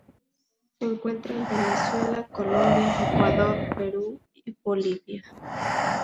Se encuentra en Venezuela, Colombia, Ecuador, Perú y Bolivia.